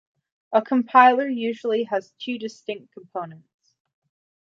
A compiler usually has two distinct components.